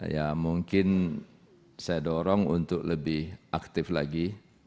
ya mungkin saya dorong untuk lebih aktif lagi